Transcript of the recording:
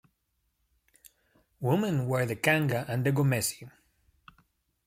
Women wear the kanga and the gomesi.